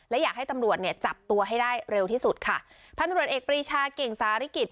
และอยากให้ตำรวจเนี่ยจับตัวให้ได้เร็วที่สุดค่ะพันธุรกิจเอกปรีชาเก่งสาริกิจ